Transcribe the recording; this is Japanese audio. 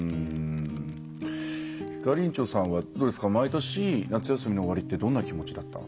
ひかりんちょさんはどうですか毎年夏休みの終わりってどんな気持ちだった？